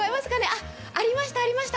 あ、ありました、ありました。